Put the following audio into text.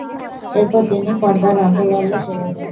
এরপর তিনি পর্দার অন্তরালে চলে যান।